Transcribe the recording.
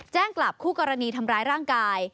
กลับคู่กรณีทำร้ายร่างกาย